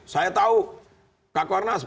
saya tahu kak kornas